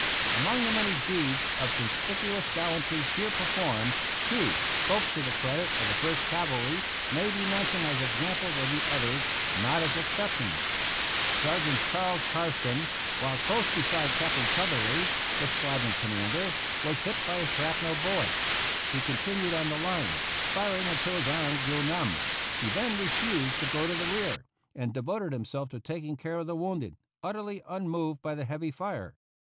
Among the many deeds of conspicuous gallan try here performed, two, both to the credit of the First Cavalry, may be mentioned as examples of the others, not as exceptions. Sergeant Charles Karsten, while close beside Captain Tutherly, the squadron commander, was hit by a shrapnel bullet. He continued on the line, firing until his arm grew numb ; and he then refused to go to the rear, and devoted himself to taking care of the wounded, utterly unmoved by the heavy fire.